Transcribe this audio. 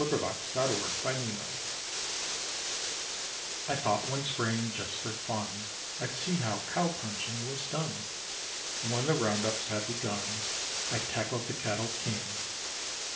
THE HORSE WRANGLER I thought one spring just for fun I'd see how cow punching was done, And when the round ups had begun I tackled the cattle king.